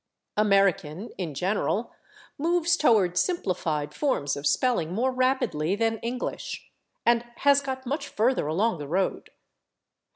American, in general, moves toward simplified forms of spelling more rapidly than English, and has got much further along the road.